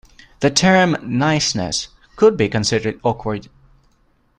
The term "niceness" could be considered awkward.